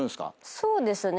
そうですね。